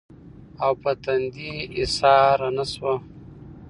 او پۀ تندې ايساره نۀ شوه